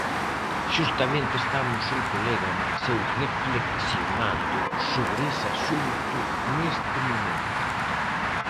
Xustamente estamos un colega e mais eu reflexionando sobre ese asunto neste momento.